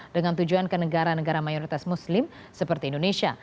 dengan tujuan ke negara negara mayoritas muslim seperti indonesia